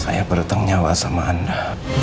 saya berteng nyawa sama anda